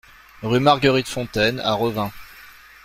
Rue Marguerite Fontaine à Revin